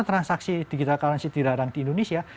transaksi digital currency dilarang di indonesia